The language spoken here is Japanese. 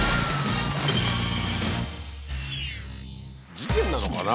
事件なのかな。